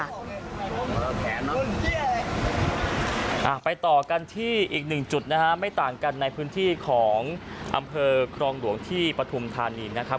ไปต่อกันที่อีกหนึ่งจุดนะฮะไม่ต่างกันในพื้นที่ของอำเภอครองหลวงที่ปฐุมธานีนะครับ